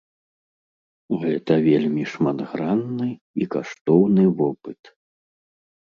Гэта вельмі шматгранны і каштоўны вопыт.